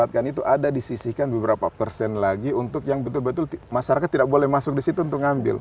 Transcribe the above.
kalau di karang ka pota sudah ada di sisi kan beberapa persen lagi untuk yang betul betul masyarakat tidak boleh masuk di situ untuk ngambil